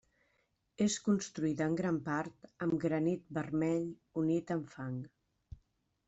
És construïda en gran part amb granit vermell unit amb fang.